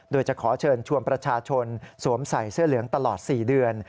โดยจะขอเชิญชวนประชาชนสวมใส่เสื้อเหลืองตลอด๔เดือน